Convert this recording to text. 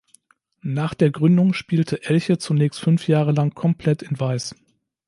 Nach der Gründung spielte Elche zunächst fünf Jahre lang komplett in Weiß.